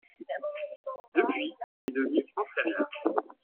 Depuis il est devenu entraîneur.